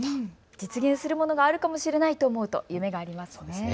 実現するものがあるかもしれないと思うと夢がありますよね。